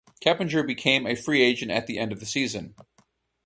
Keppinger became a free-agent at the end of the season.